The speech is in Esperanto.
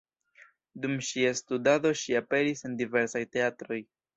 Dum ŝia studado ŝi aperis en diversaj teatroj.